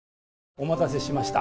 お待たせしました。